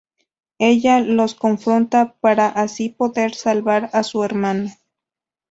Ella los confronta para así poder salvar a su hermano.